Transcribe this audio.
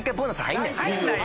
入んないよ！